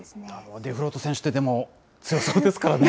デフロート選手って、でも強そうですからね。